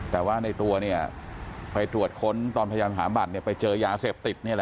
แต่ว่าในตัวเนี้ยไปตรวจค้นตอนพยายามหาบัตรนี้ไปเจ้อยาเสพติดนี่เลย